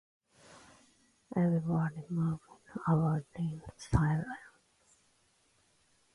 Everybody moved about in silence.